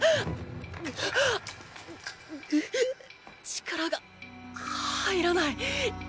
力が入らない。